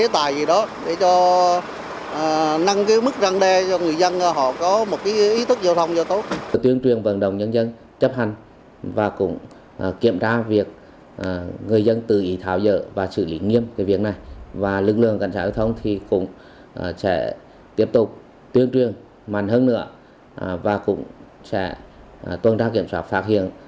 tuần tra kiểm soát phát hiện